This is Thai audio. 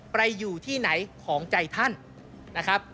อยู่ที่ไหนของใจท่านนะครับ